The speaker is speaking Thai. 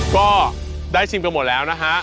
ก็ได้ชิมกันหมดแล้วนะฮะ